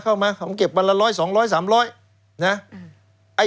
เข้ามาเก็บบันละ๒๐๐๓๐๐บาท